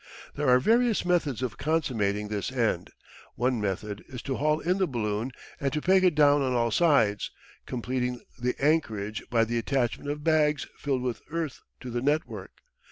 There are various methods of consummating this end. One method is to haul in the balloon and to peg it down on all sides, completing the anchorage by the attachment of bags filled with earth to the network.